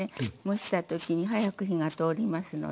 蒸した時に早く火が通りますので。